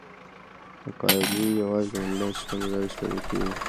مقالې یوازې د انلاین سیستم له لارې سپارل کیږي.